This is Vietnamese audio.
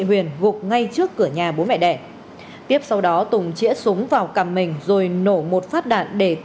huyền gục ngay trước cửa nhà bố mẹ đẻ tiếp sau đó tùng chĩa súng vào cầm mình rồi nổ một phát đạn để